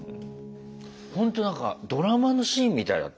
ほんと何かドラマのシーンみたいだったね。